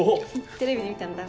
テレビで見たんだ。